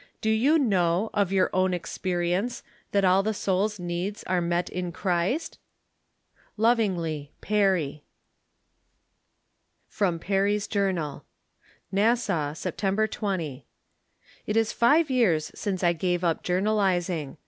Do you know, of your own experience, tbat all tbe soul's needs are met in Cbrist? Lovingly, Peeex. [fEOM PEEEY'S Jo'tTEKAL.J Nassau, September 20. It is five years since I gave up journalizing.